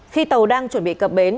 khi tàu đang chuẩn bị cập bến